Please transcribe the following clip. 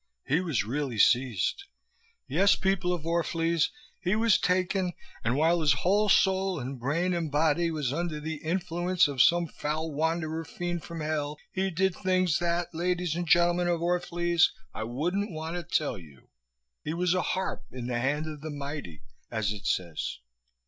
He was really seized. Yes, people of Orph'lese, he was taken and while his whole soul and brain and body was under the influence of some foul wanderer fiend from hell he did things that, ladies and gentlemen of Orph'lese, I wouldn't want to tell you. He was a harp in the hand of the mighty, as it says.